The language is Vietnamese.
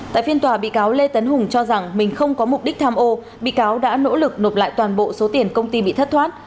tại phiên tòa bị cáo lê tấn hùng cho rằng mình không có mục đích tham ô bị cáo đã nỗ lực nộp lại toàn bộ số tiền công ty bị thất thoát